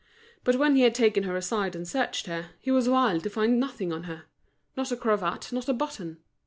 But when he had taken her aside and searched her, he was wild to find nothing on her—not a cravat, not a button.